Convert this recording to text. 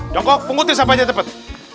jongkok pengutin sampahnya cepet